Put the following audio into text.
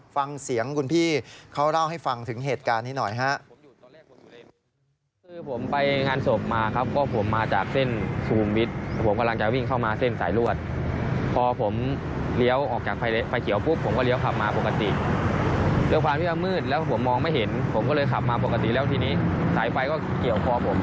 ฟังเสียงคุณพี่เขาเล่าให้ฟังถึงเหตุการณ์นี้หน่อยฮะ